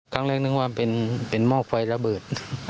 ครั้งแรกนึกว่าเป็นหม้อไฟระเบิด